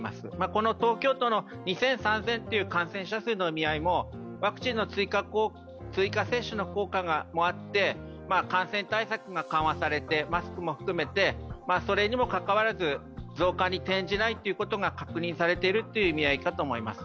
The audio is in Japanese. この東京都の２３００という感染者の意味合いも、ワクチンの追加接種の効果もあって感染対策が緩和されて、マスクも含めて、それにもかかわらず、増加に転じないということが確認されているという意味合いかと思います。